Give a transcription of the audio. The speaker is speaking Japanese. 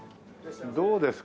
どうですか。